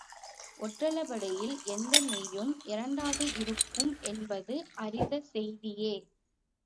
ஒற்றளபெடையில் எந்த மெய்யும் இரண்டாக இருக்கும் என்பது அறிந்த செய்தியே.